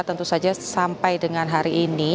tentu saja sampai dengan hari ini